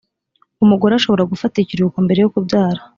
umugore ashobora gufata ikiruhuko mbere yo kubyara